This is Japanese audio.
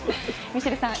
ミシェルさん